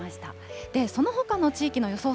そのほかの地域の予想